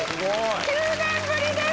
９年ぶりです。